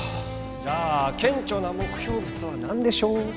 じゃあ顕著な目標物は何でしょう？